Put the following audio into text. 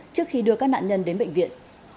trước khi đưa các nạn nhân đến bệnh viện